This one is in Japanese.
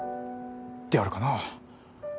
であるかな。